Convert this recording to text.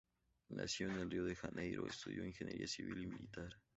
Nació en Río de Janeiro, estudió ingeniería civil y militar.